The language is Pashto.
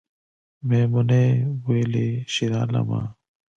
میمونۍ ویلې شیرعالمه